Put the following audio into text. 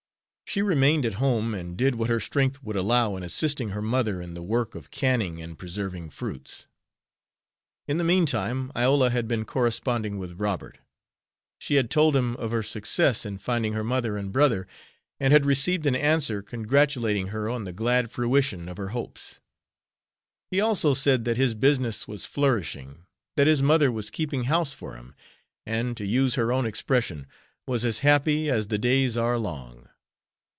She remained at home, and did what her strength would allow in assisting her mother in the work of canning and preserving fruits. In the meantime, Iola had been corresponding with Robert. She had told him of her success in finding her mother and brother, and had received an answer congratulating her on the glad fruition of her hopes. He also said that his business was flourishing, that his mother was keeping house for him, and, to use her own expression, was as happy as the days are long.